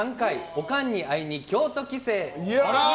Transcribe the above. オカンに会いに京都帰省！